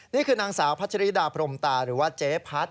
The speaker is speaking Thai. นสาวพัชริดาพรบมตาหรือว่าเจ๊พัตถ์